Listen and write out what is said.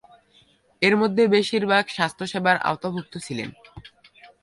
এর মধ্যে বেশিরভাগ স্বাস্থ্যসেবার আওতাভুক্ত ছিলেন।